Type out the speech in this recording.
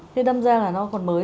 thế đâm ra là nó còn mới